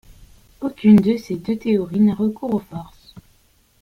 Aucune de ces deux théories n'a recours aux forces.